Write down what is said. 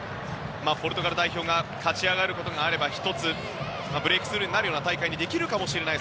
ポルトガル代表が勝ち上がることがあれば１つ、ブレイクスルーになる大会になるかもしれない。